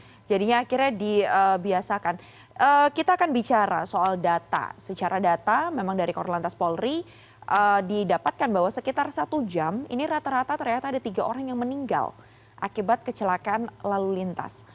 oke jadinya akhirnya dibiasakan kita akan bicara soal data secara data memang dari korlantas polri didapatkan bahwa sekitar satu jam ini rata rata ternyata ada tiga orang yang meninggal akibat kecelakaan lalu lintas